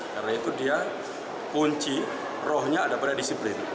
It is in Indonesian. karena itu dia kunci rohnya ada pada disiplin